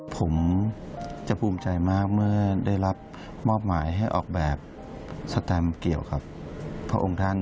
ผมจะภูมิใจมากเมื่อได้รับมอบหมายให้ออกแบบสแตมเกี่ยวกับพระองค์ท่าน